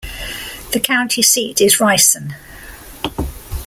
The county seat is Rison.